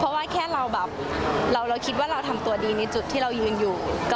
เพราะว่าแค่เราแบบเราคิดว่าเราทำตัวดีในจุดที่เรายืนอยู่